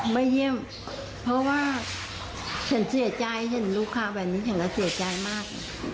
มาเยี่ยมเพราะว่าฉันเสียใจเห็นลูกค้าแบบนี้ฉันก็เสียใจมาก